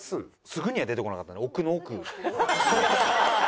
すぐには出てこなかったんで奥の奥。